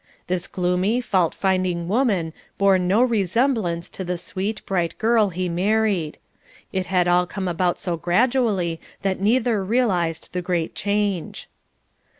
This gloomy, fault finding woman, bore no resemblance to the sweet, bright girl, he married. It had all come about so gradually that neither realized the great change.